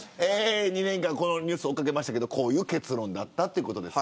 ２年間このニュースを追いかけましたけどこういう結論だった。